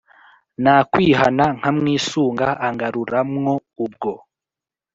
nakwihana, nkamwisunga, angaruramwo ubwo.